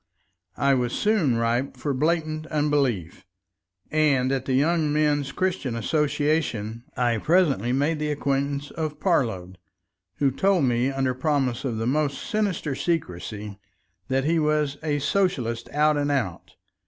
I was soon ripe for blatant unbelief. And at the Young Men's Christian Association I presently made the acquaintance of Parload, who told me, under promises of the most sinister secrecy, that he was "a Socialist out and out."